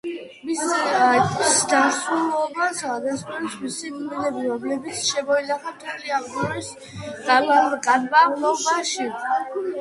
მის ზრდასრულობას ადასტურებს მისი კბილები, რომლებიც შემოინახა მთელი ამ დროის განმავლობაში.